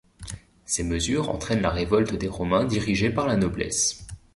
Ces mesures entraînent la révolte des Romains dirigée par la noblesse.